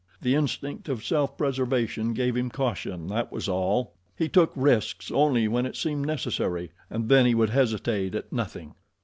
The instinct of self preservation gave him caution that was all. He took risks only when it seemed necessary, and then he would hesitate at nothing.